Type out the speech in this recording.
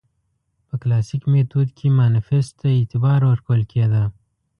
په کلاسیک میتود کې مانیفیست ته اعتبار ورکول کېده.